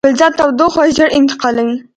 فلزات تودوخه ژر انتقالوي.